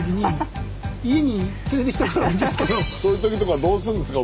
そういう時とかはどうするんですか？